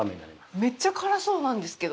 めっちゃ辛そうなんですけど。